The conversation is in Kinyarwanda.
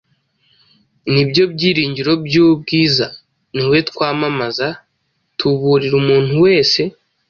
ni byo byiringiro by’ubwiza, Ni we twamamaza, tuburira umuntu wese,